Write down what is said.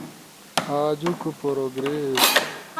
آجوک پروگریس